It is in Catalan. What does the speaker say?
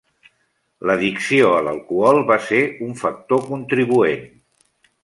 L'addicció a l'alcohol va ser un factor contribuent.